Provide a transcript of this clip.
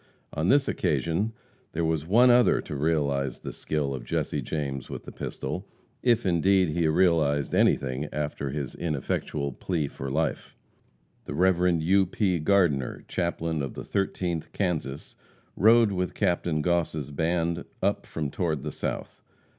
On this occasion there was one other to realize the skill of Jesse James with the pistol, if indeed he realized anything after his ineffectual plea for life. The Rev. U. P. Gardiner, chaplain of the Thirteenth Kansas, rode with Captain Goss' band up from toward the South.